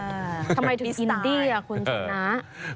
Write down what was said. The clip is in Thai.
ทำไมถึงอินดี้อ่ะคุณชนะ